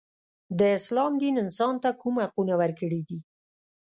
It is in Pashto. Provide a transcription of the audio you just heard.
د اسلام دین انسان ته کوم حقونه ورکړي دي.